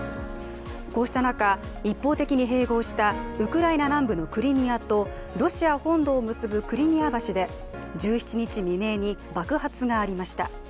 こうした中、一方的に併合したウクライナ南部のクリミアと、ロシア本土を結ぶクリミア橋で１７日未明に爆発がありました。